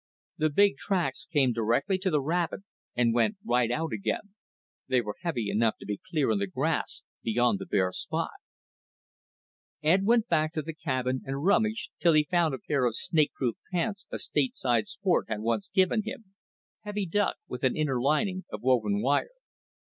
The big tracks came directly to the rabbit and went right out again. They were heavy enough to be clear in the grass beyond the bare spot. Ed went back to the cabin and rummaged till he found a pair of snakeproof pants a Stateside sport had once given him heavy duck with an interlining of woven wire.